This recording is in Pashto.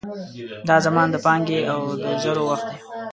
دا زمان د پانګې او د زرو وخت دی.